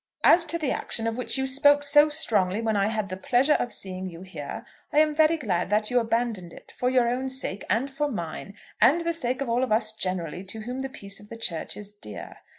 "As to the action of which you spoke so strongly when I had the pleasure of seeing you here, I am very glad that you abandoned it, for your own sake and for mine, and the sake of all us generally to whom the peace of the Church is dear.